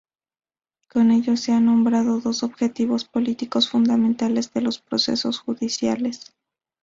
Con ello se han nombrado dos objetivos políticos fundamentales de los procesos judiciales.